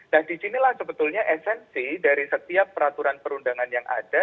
nah disinilah sebetulnya esensi dari setiap peraturan perundangan yang ada